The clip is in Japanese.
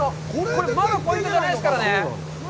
これ、まだポイントじゃないですからね。